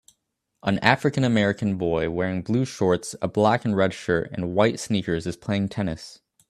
An AfricanAmerican boy wearing blue shorts a black and red shirt and white sneakers is playing tennis